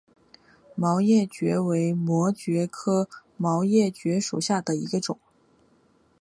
毛叶蕨为膜蕨科毛叶蕨属下的一个种。